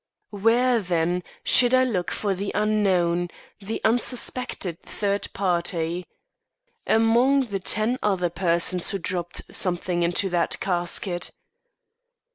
Where, then, should I look for the unknown, the unsuspected third party? Among the ten other persons who dropped something into that casket.